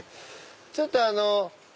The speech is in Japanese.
ちょっとあの。